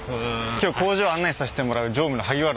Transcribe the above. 今日工場を案内させてもらう常務の萩原と申します。